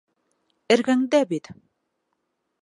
Эргәңдә бит.